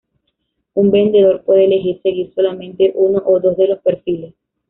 Un vendedor puede elegir seguir solamente uno o dos de los perfiles.